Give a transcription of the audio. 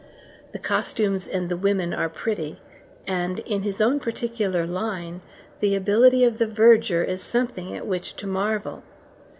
The costumes and the women are pretty, and, in his own particular line, the ability of the verger is something at which to marvel.